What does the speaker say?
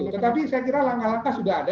tetapi saya kira langkah langkah sudah ada